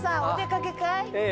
お出かけかい？